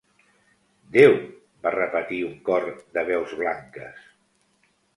Déu —va repetir un cor de veus blanques.